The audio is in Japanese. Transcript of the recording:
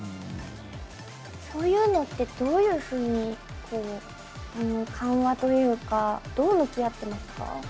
そういうのってどういうふうに緩和というかどう向き合ってますか？